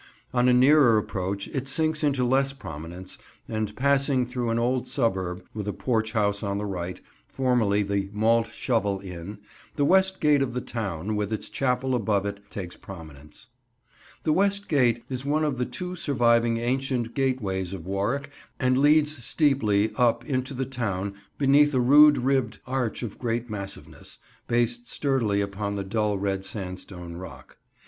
On a nearer approach it sinks into less prominence, and, passing through an old suburb, with a porch house on the right, formerly the "Malt Shovel" inn, the West Gate of the town, with its chapel above it, takes prominence. [Picture: Leicester's Hospital: The Courtyard] The West Gate is one of the two surviving ancient gateways of Warwick and leads steeply up into the town beneath a rude ribbed arch of great massiveness, based sturdily upon the dull red sandstone rock.